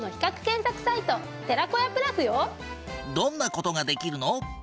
どんな事ができるの？